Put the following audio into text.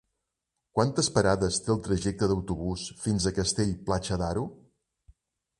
Quantes parades té el trajecte en autobús fins a Castell-Platja d'Aro?